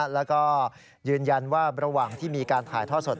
แล้วก็ยืนยันว่าระหว่างที่มีการถ่ายทอดสด